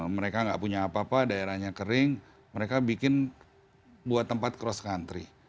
mereka nggak punya apa apa daerahnya kering mereka bikin buat tempat cross country